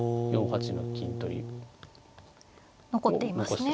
４八の金取りを残してますね。